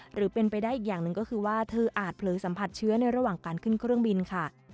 หรือเป็นไปได้อีกอย่างหนึ่งก็คือว่าเธออาจเผลอสัมผัสเชื้อในระหว่างการขึ้นเครื่องบินค่ะ